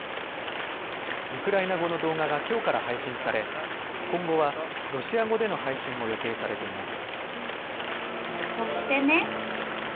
ウクライナ語の動画がきょうから配信され、今後はロシア語での配信も予定されています。